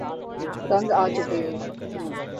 تنگ آچکے ہیں